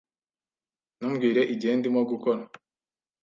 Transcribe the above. Ntumbwire igihe ndimo gukora.